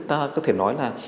chúng ta có thể nói là